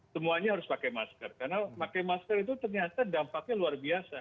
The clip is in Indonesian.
semuanya harus pakai masker karena pakai masker itu ternyata dampaknya luar biasa